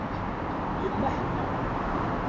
Yemma ḥenna.